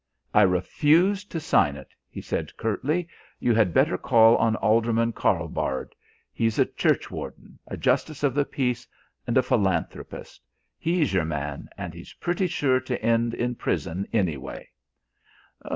"I refuse to sign it," he said curtly, "you had better call on Alderman Karlbard; he's a church warden, a justice of the peace and a philanthropist. He's your man and he's pretty sure to end in prison anyway."